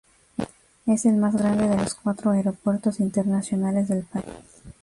Es el más grande de los cuatro aeropuertos internacionales del país.